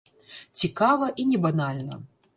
Цікава і не банальна.